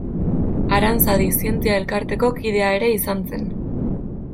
Aranzadi Zientzia Elkarteko kidea ere izan zen.